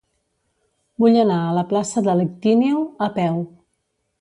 Vull anar a la plaça de l'Ictíneo a peu.